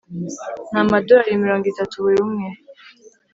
ni amadorari mirongo itatu buri umwe